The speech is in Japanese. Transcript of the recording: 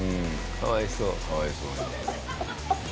かわいそうに。